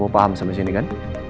kamu paham sama sini kan